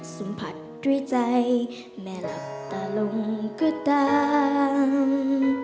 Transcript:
สัมผัสด้วยใจแม่หลับตาลงก็ตาม